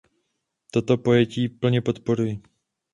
Toto pojetí plně podporuji.